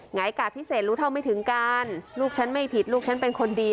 หายกาดพิเศษรู้เท่าไม่ถึงการลูกฉันไม่ผิดลูกฉันเป็นคนดี